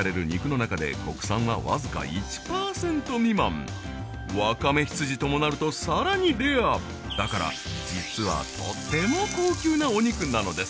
そもそもわかめ羊ともなるとさらにレアだから実はとても高級なお肉なのです